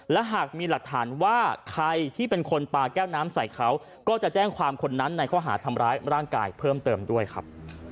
และหากมีหลักฐานว่าใครที่เป็นคนปลาแก้วน้ำใส่เขาก็จะแจ้งความคนนั้นในข้อหาทำร้ายร่างกายเพิ่มเติมด้วยครับ